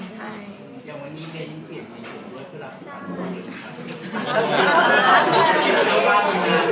เดี๋ยววันนี้เน้ยยิ่งเปลี่ยนสีดูดด้วย